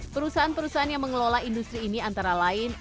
perusahaan perusahaan yang mengelola industri ini antara lain